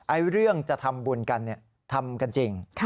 เรื่องจะทำบุญกันทำกันจริง